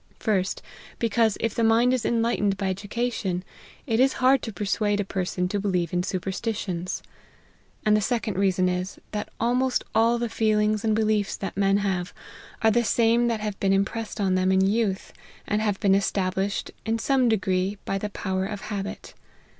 First, because, if the mind is enlightened by education, it is hard to persuade a person to believe in supersti tions. And the second reason is, that almost all the feelings and beliefs that men have, are the same that have been impressed on them in youth, and have been established in some degree by the power of habit.